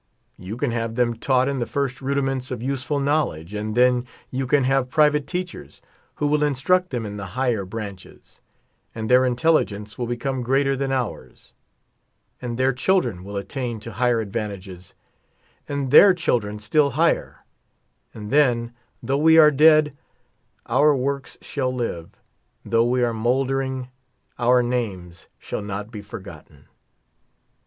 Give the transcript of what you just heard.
You can have them taught in the first rudiments of useful knowledge, and then you can have private teachers, who will instruct them in the higher branches : and their intelligence will become greater than ours, and their children will attain to higher advantages, and their children still higher ; and then, though we are dead, our works shall live ; though we are mouldering, our names shall not be forgotten.